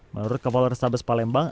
menurut polrestabes palembang